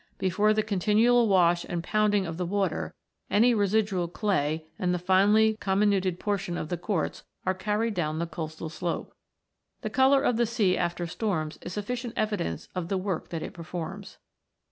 Before the continual wash and pounding of the water, any residual clay, and the finely comminuted portion of the quartz, are carried down the coastal slope. The colour of the sea after storms is sufficient evidence of the work that it performs.